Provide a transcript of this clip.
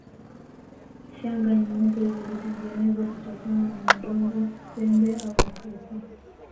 Shanga nyeupe zilitengenezwa kutokana na udongo pembe au mfupa